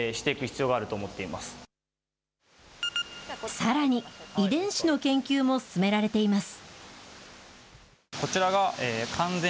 さらに、遺伝子の研究も進められています。